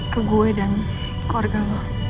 ke gue dan keluarga lo